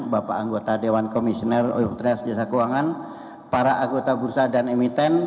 bapak anggota dewan komisioner ojk para anggota bursa dan emiten